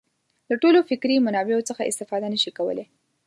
له ټولو فکري منابعو څخه استفاده نه شي کولای.